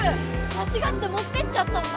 まちがってもってっちゃったんだ！